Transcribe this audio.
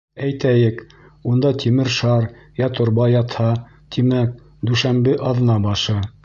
Әйтәйек, унда тимер шар йә торба ятһа, тимәк, дүшәмбе, аҙна башы.